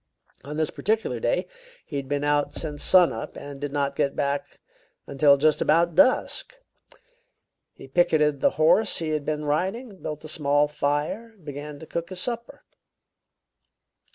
On this particular day he had been out since sun up and did not get back until just about dusk. He picketed the horse he had been riding, and built a small fire, and began to cook his supper.